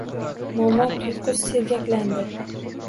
Momo tuyqis sergaklandi.